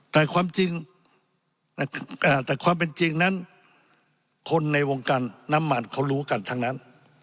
แต่ความจริงแต่ความเป็นจริงนั้นคนในวงการน้ำมันเขารู้กันทั้งนั้น